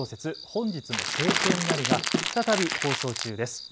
本日も晴天なりが再び放送中です。